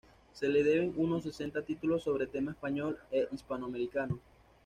Se le deben unos sesenta títulos sobre tema español e hispanoamericano.